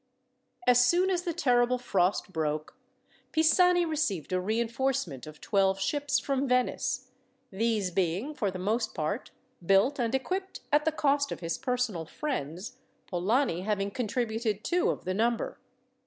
As soon as the terrible frost broke, Pisani received a reinforcement of twelve ships from Venice, these being, for the most part, built and equipped at the cost of his personal friends, Polani having contributed two of the number.